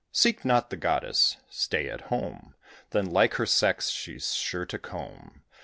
Seek not the goddess, stay at home; Then like her sex she's sure to come.